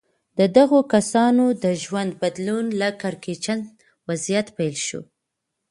د دغو کسانو د ژوند بدلون له کړکېچن وضعيت پيل شوی.